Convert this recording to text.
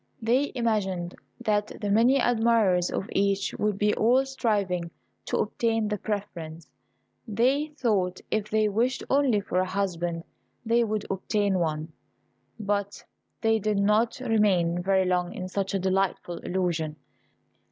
They imagined that the many admirers of each would be all striving to obtain the preference. They thought if they wished only for a husband they would obtain one; but they did not remain very long in such a delightful illusion.